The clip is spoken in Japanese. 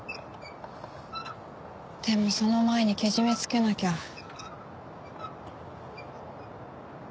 でもその前にけじめつけなきゃ。